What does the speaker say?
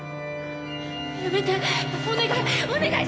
やめてお願い！